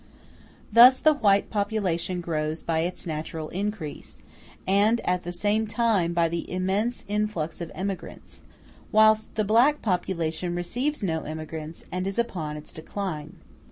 Thus the white population grows by its natural increase, and at the same time by the immense influx of emigrants; whilst the black population receives no emigrants, and is upon its decline.